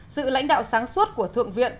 sự lãnh đạo sáng suốt của thượng viện